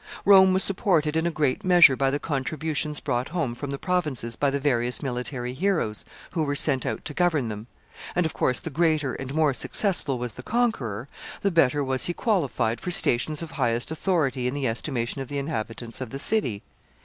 Rome was supported in a great measure by the contributions brought home from the provinces by the various military heroes who were sent out to govern them; and, of course, the greater and more successful was the conqueror, the better was he qualified for stations of highest authority in the estimation of the inhabitants of the city.